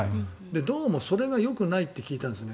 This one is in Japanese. どうもそれがよくないって聞いたんですよね。